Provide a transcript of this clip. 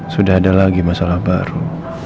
sudah ada lagi masalah baru